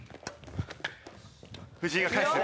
藤井が返す。